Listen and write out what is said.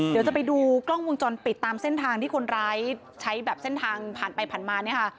เดี๋ยวจะไปดูกล้องวงจรปิดตามเส้นทางที่คนร้ายใช้แบบเส้นทางผ่านไปผ่านมาเนี่ยค่ะ